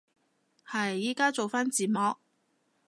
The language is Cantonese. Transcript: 係，依家做返字幕